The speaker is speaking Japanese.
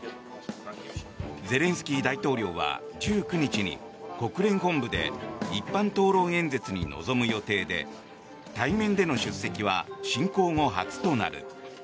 ゼレンスキー大統領は１９日に国連本部で一般討論演説に臨む予定で対面での出席は侵攻後、初となる。